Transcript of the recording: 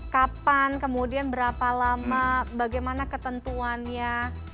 kapan kemudian berapa lama bagaimana ketentuannya